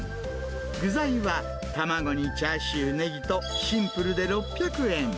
具材は卵にチャーシュー、ネギと、シンプルで６００円。